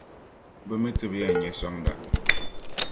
bɛ mi ti bi yɛn nya sɔŋda.